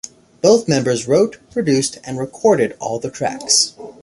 Both members wrote, produced, and recorded all the tracks.